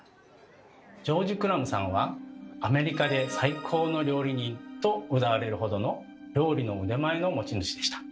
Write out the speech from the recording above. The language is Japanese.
ジョージ・クラムさんは「アメリカで最高の料理人」とうたわれるほどの料理の腕前の持ち主でした。